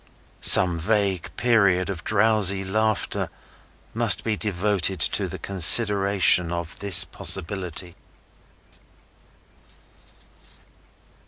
Some vague period of drowsy laughter must be devoted to the consideration of this possibility.